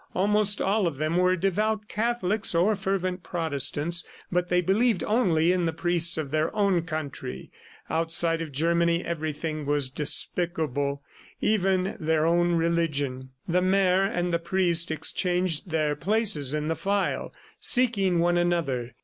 Almost all of them were devout Catholics or fervent Protestants, but they believed only in the priests of their own country. Outside of Germany, everything was despicable even their own religion. The mayor and the priest changed their places in the file, seeking one another.